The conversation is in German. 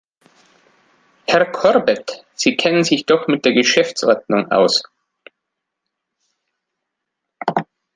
Herr Corbett, Sie kennen sich doch mit der Geschäftsordnung aus.